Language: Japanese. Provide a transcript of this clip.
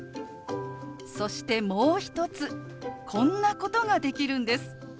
そしてもう一つこんなことができるんです。